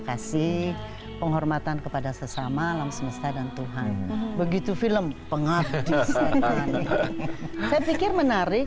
kasih penghormatan kepada sesama alam semesta dan tuhan begitu film pengabdi saya pikir menarik